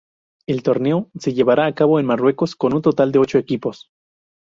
El torneo se llevará a cabo en Marruecos, con un total de ocho equipos.